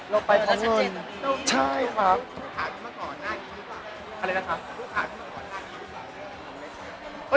เราไปเพราะเงินใช่ครับ